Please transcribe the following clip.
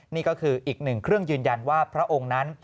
นี่ก็คืออีกหนึ่งเครื่องยืนยันว่าพระองค์นั้น